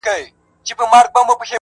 هغه شپه مي د ژوندون وروستی ماښام وای-